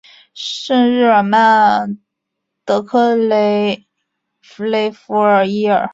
圣日尔曼德克莱雷弗伊尔。